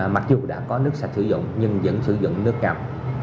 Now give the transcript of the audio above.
mặc dù đã có nước sạch sử dụng nhưng vẫn sử dụng nước ngầm